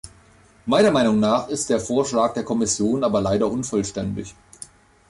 Meiner Meinung nach ist der Vorschlag der Kommission aber leider unvollständig.